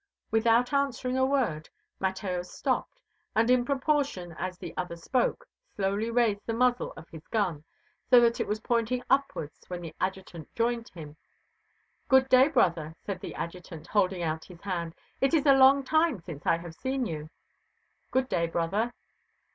Without answering a word, Mateo stopped, and in proportion as the other spoke, slowly raised the muzzle of his gun so that it was pointing upward when the Adjutant joined him. "Good day, brother," said the Adjutant, holding out his hand. "It is a long time since I have seen you." "Good day, brother."